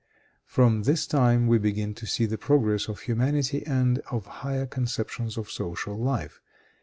From this time we begin to see the progress of humanity and of higher conceptions of social life.